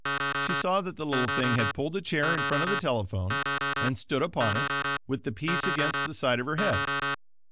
She saw that the little thing had pulled a chair in front of the telephone, and stood upon it, with the piece against the side of her head.